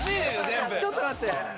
ちょっと待って。